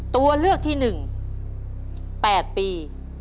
ตัวเลือกที่หนึ่งแปดปี